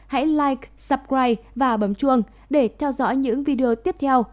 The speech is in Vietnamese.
hãy like subscribe và bấm chuông để theo dõi những video tiếp theo